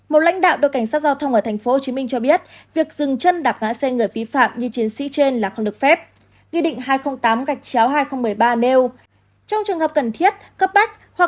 một lãnh đạo đối cảnh sát giao thông ở tp hcm cho biết việc dừng chân đạp ngã xe người vi phạm như chiến sĩ trên là không được phép